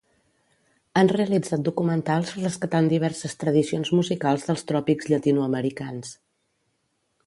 Han realitzat documentals rescatant diverses tradicions musicals dels tròpics llatinoamericans.